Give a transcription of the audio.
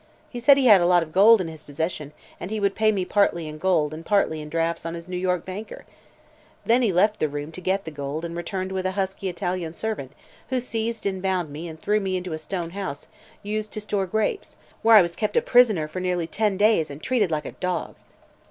He said he had a lot of gold in his possession and he would pay me partly in gold and partly in drafts on his New York banker. Then he left the room to get the gold and returned with a husky Italian servant who seized and bound me and threw me into a stone house used to store grapes, where I was kept a prisoner for nearly ten days and treated like a dog.